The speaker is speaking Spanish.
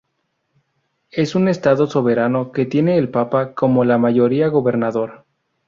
Es un estado soberano que tiene el Papa como la mayoría gobernador.